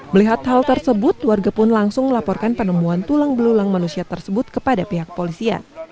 melihat hal tersebut warga pun langsung melaporkan penemuan tulang belulang manusia tersebut kepada pihak polisian